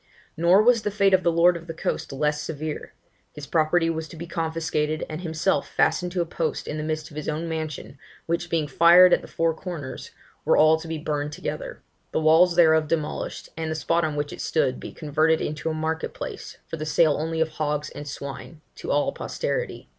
Nor was the fate of the lord of the coast less severe, his property was to be confiscated, and himself fastened to a post in the midst of his own mansion, which being fired at the four corners, were all to be burned together; the walls thereof demolished; and the spot on which it stood be converted into a market place, for the sale only of hogs and swine, to all posterity.